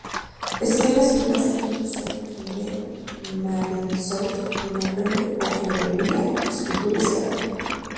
Estudió en la escuela Saint Joseph-de-Maredsous donde aprende orfebrería, escultura y cerámica.